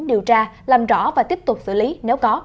điều tra làm rõ và tiếp tục xử lý nếu có